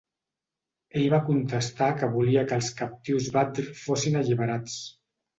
Ell va contestar que volia que els captius Badr fossin alliberats.